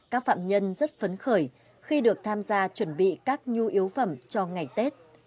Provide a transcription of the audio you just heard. các phạm nhân rất phấn khởi khi được tham gia chuẩn bị các nhu yếu phẩm cho ngày tết